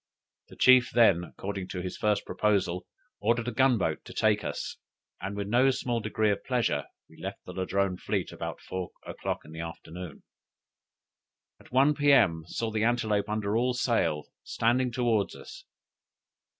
The chief, then, according to his first proposal, ordered a gun boat to take us, and with no small degree of pleasure we left the Ladrone fleet about four o'clock in the afternoon. At one P.M. saw the Antelope under all sail, standing towards us.